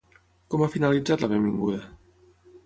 Com ha finalitzat la benvinguda?